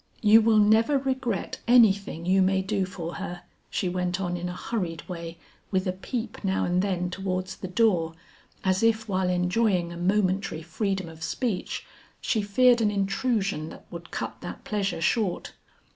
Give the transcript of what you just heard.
You will never regret anything you may do for her," she went on in a hurried way with a peep now and then towards the door as if while enjoying a momentary freedom of speech, she feared an intrusion that would cut that pleasure short.